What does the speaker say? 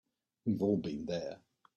We've all been there.